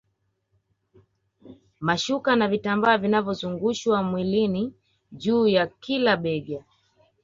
Mashuka na vitambaa vinavyozungushwa mwilini juu ya kila bega